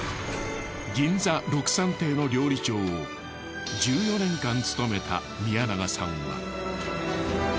銀座ろくさん亭の料理長を１４年間務めた宮永さんは。